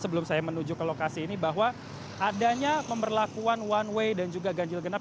sebelum saya menuju ke lokasi ini bahwa adanya pemberlakuan one way dan juga ganjil genap